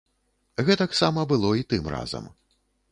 Гэтаксама было і тым разам.